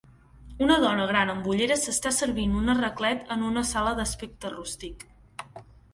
Una dona gran amb ulleres s'està servint una raclet en una sala d'aspecte rústic.